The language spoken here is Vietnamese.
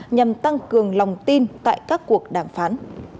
nhằm tăng cường lòng tin tại các cuộc đàm phán